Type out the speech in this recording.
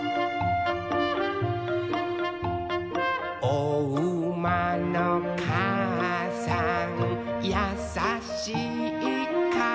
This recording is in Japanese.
「おうまのかあさんやさしいかあさん」